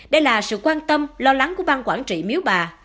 đây là sự quan tâm lo lắng của bang quản trị miếu bà